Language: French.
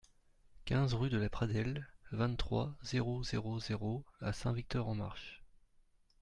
quinze rue de La Pradelle, vingt-trois, zéro zéro zéro à Saint-Victor-en-Marche